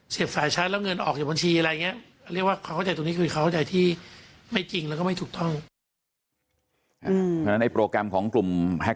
เสียบสายชาร์จแล้วเงินออกจากบัญชีอะไรอย่างนี้